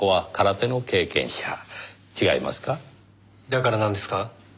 だからなんですか？